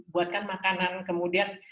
buatkan makanan kemudian